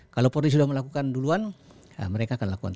kalau polri sudah melakukan duluan ya mereka akan lakukan